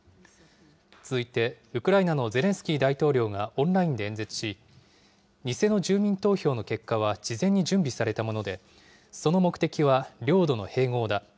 続いて、ウクライナのゼレンスキー大統領がオンラインで演説し、偽の住民投票の結果は事前に準備されたもので、その目的は領土の併合だ。